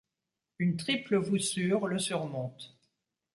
Une triple voussure le surmonte.